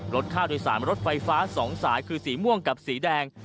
ลดค่าโดยสารรถไฟฟ้า๒สายคือสีม่วงกับสีแดง